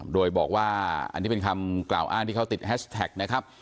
โดยบอกว่าอันนี้เป็นคำกล่าวอ้างที่เขาติดแฮชแท็กนะครับ